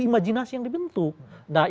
nah imajinasi yang dibentuk publik itu juga